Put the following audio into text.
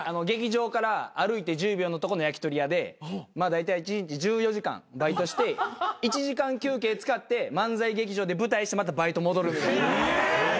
劇場から歩いて１０秒のとこの焼き鳥屋でまあだいたい１日１４時間バイトして１時間休憩使って漫才劇場で舞台してまたバイト戻る。え！